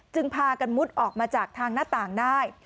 พากันมุดออกมาจากทางหน้าต่างได้